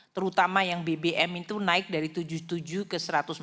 terutama yang bbm itu naik dari tujuh puluh tujuh ke satu ratus empat puluh